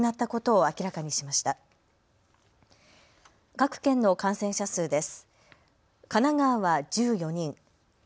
各県の感染者数です。